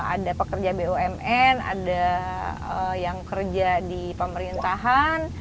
ada pekerja bumn ada yang kerja di pemerintahan